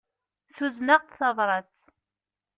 Tuzen-aɣ-d tabrat.